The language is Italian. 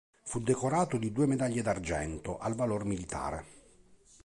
Fu decorato di due medaglie d'argento al valor militare.